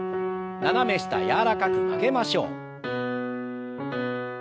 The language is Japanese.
斜め下柔らかく曲げましょう。